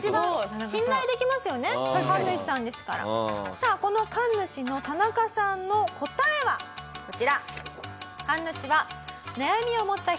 さあこの神主の田中さんの答えはこちら。